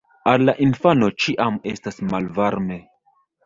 Al la infano ĉiam estas malvarme.